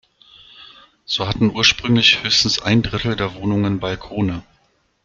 So hatten ursprünglich höchstens ein Drittel der Wohnungen Balkone.